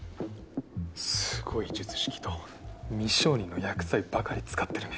すごい術式と未承認の薬剤ばかり使ってるね